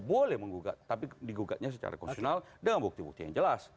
boleh menggugat tapi digugatnya secara konstitusional dengan bukti bukti yang jelas